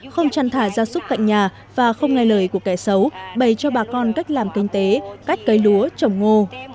không trăn thả ra súc cạnh nhà và không ngay lời của kẻ xấu bày cho bà con cách làm kinh tế cách cây lúa trồng ngô